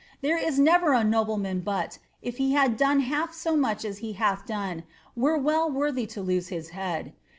There is never a nobleman but, if he had done half so much as he hath done, were well worthy to lose his head.